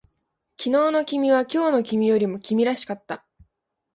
昨日の君は今日の君よりも君らしかった